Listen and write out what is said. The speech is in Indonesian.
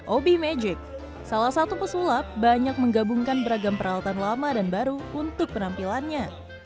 obi magic salah satu pesulap banyak menggabungkan beragam peralatan lama dan baru untuk penampilannya